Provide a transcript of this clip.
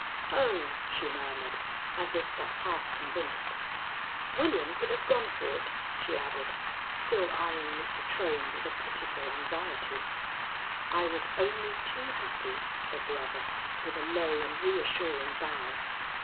"Oh!" she murmured as if but half convinced. "William could have gone for it," she added, still eying Mr. Trohm with a pitiful anxiety. "I was only too happy," said the other, with a low and reassuring bow.